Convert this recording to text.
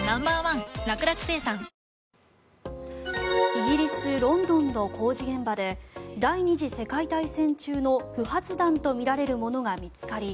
イギリス・ロンドンの工事現場で第２次世界大戦中の不発弾とみられるものが見つかり